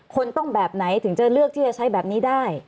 คนต้องแบบไหนถึงจะเลือกที่จะใช้แบบนี้ได้